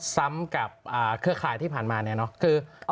ซ้ำกับเครือข่ายที่ผ่านมาเนี่ยเนาะ